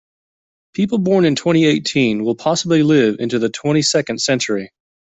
People born in twenty-eighteen will possibly live into the twenty-second century.